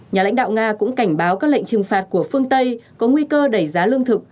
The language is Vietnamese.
nhà lãnh đạo nga cũng cảnh báo các lệnh trừng phạt của phương tây có nguy cơ đẩy giá lương thực